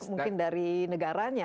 mungkin dari negaranya